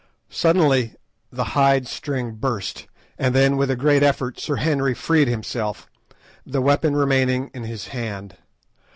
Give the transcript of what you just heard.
Suddenly the hide string burst, and then, with a great effort, Sir Henry freed himself, the weapon remaining in his hand.